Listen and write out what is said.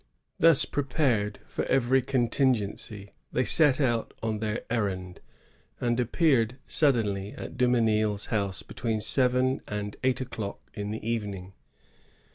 Thus prepared for every contingency, they set out on their errand, and appeared suddenly at Dumesnil^s house between seven and eight o'clock in the even ing.